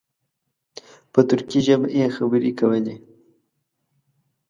په ترکي ژبه یې خبرې کولې.